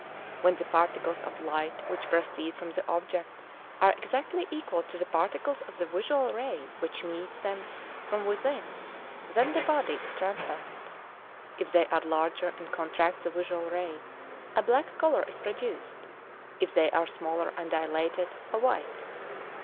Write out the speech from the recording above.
When the particles of light which proceed from the object are exactly equal to the particles of the visual ray which meet them from within, then the body is transparent. If they are larger and contract the visual ray, a black colour is produced; if they are smaller and dilate it, a white.